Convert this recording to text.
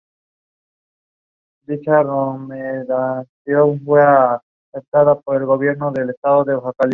En dirección norte es la última situada en la región parisina.